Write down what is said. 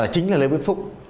chính là lê viết phúc